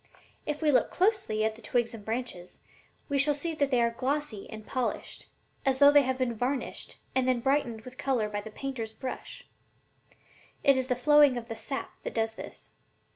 If we look closely at the twigs and branches, we shall see that they are glossy and polished, as though they had been varnished and then brightened with color by the painter's brush. It is the flowing of the sap that does this.